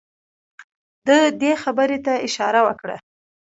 ده دې خبرې ته اشاره وکړه.